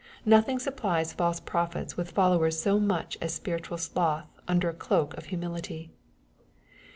Nothing suppUes false prophets with followers so much as spiritual sloth under a cloak of humility.